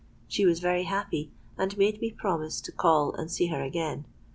She was very happy, and made me promise to call and see her again.